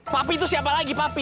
papi itu siapa lagi papi